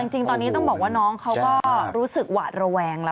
จริงตอนนี้ต้องบอกว่าน้องเขาก็รู้สึกหวาดระแวงแล้ว